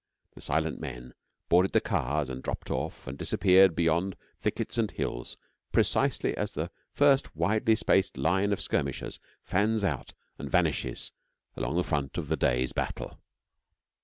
The silent men boarded the cars, and dropped off, and disappeared beyond thickets and hills precisely as the first widely spaced line of skirmishers fans out and vanishes along the front of the day's battle.